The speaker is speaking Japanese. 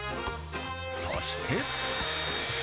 そして。